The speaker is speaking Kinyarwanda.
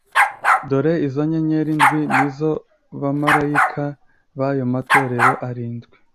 Dore izo nyenyeri ndwi ni zo bamarayika b’ayo matorero arindwi,